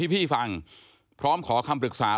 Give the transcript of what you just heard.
พี่ฟังพร้อมขอคำปรึกษา